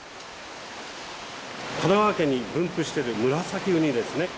神奈川県に分布してるムラサキウニですね。